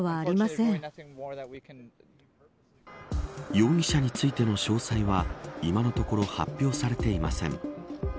容疑者についての詳細は今のところ発表されていません。